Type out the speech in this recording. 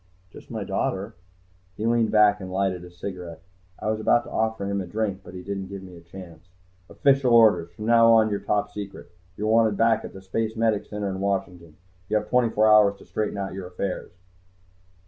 "Just my daughter." He leaned back and lighted a cigarette. I was about to offer him a drink, but he didn't give me a chance. "Official orders. From now on, you're Top Secret. You're wanted back at the Spacemedic Center in Washington. You have twenty four hours to straighten out your affairs."